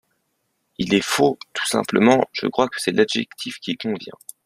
Il est faux, tout simplement, je crois que c’est l’adjectif qui convient.